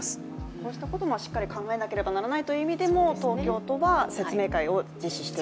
こうしたこともしっかり考えなければいけないという意味でも、東京都は説明をしっかりしている。